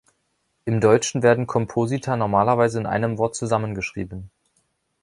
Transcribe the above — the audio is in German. Im Deutschen werden Komposita normalerweise in einem Wort zusammengeschrieben.